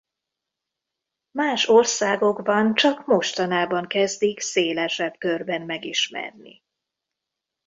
Más országokban csak mostanában kezdik szélesebb körben megismerni.